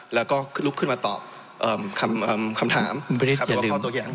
แล้วก็ลุกขึ้นมาตอบคำถามหรือว่าข้อโตแย้ง